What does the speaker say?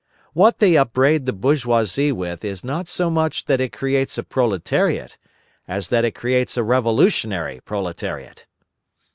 What they upbraid the bourgeoisie with is not so much that it creates a proletariat, as that it creates a revolutionary proletariat.